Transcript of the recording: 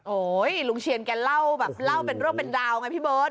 ลุงเชียนแกเล่าแบบเล่าเป็นเรื่องเป็นราวไงพี่เบิร์ต